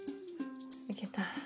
いけた。